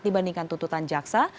dibandingkan tuntutan jaksa